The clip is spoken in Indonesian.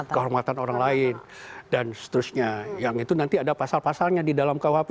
kehormatan orang lain dan seterusnya yang itu nanti ada pasal pasalnya di dalam kuhp